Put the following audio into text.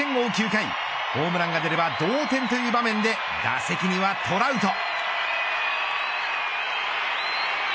９回ホームランが出れば同点という場面で打席にはトラウト。